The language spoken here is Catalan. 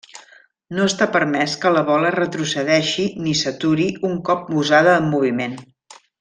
No està permès que la bola retrocedeixi ni s'aturi un cop posada en moviment.